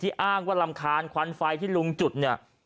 อ้างว่ารำคาญควันไฟที่ลุงจุดเนี่ย